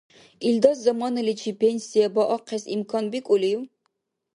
Илдас заманаличиб пенсия баахъес имкан бикӏулив?